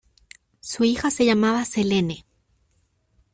Su hija se llamaba Selene.